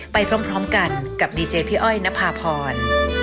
ไปพร้อมกันกับดีเจพี่อ้อยนภาพร